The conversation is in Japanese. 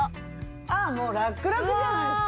あっもうラックラクじゃないですか。